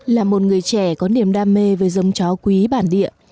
là một người trẻ có niềm đam mê với giống chó quý bản địa